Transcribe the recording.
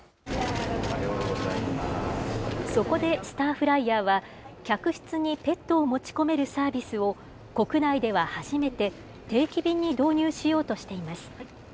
そこでスターフライヤーは、客室にペットを持ち込めるサービスを国内では初めて、定期便に導入しようとしています。